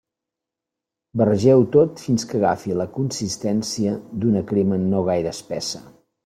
Barregeu-ho tot fins que agafi la consistència d'una crema no gaire espessa.